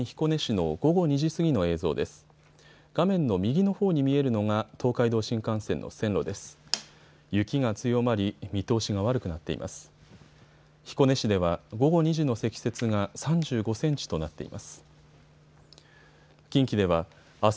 彦根市では午後２時の積雪が３５センチとなっています。